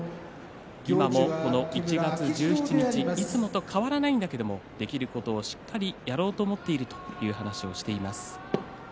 今も１月１７日いつもと変わらないんだけれどもできることをしっかりやろうと思っているという話をしています。